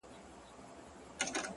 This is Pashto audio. اوس سودايي يمه اوس داسې حرکت کومه-